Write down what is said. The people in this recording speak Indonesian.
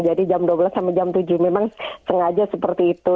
jadi jam dua belas sama jam tujuh memang sengaja seperti itu